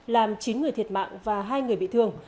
làm chín người thiệt mạng và hai người bị thương